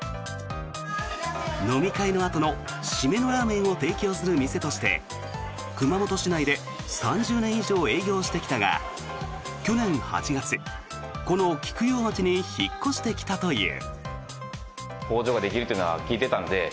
飲み会のあとの締めのラーメンを提供する店として熊本市内で３０年以上営業してきたが去年８月、この菊陽町に引っ越してきたという。